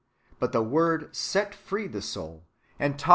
But the Word set free the soul, and taught 1 Matt.